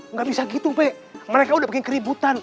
nggak bisa gitu be mereka sudah bikin keributan